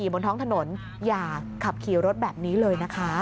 บนท้องถนนอย่าขับขี่รถแบบนี้เลยนะคะ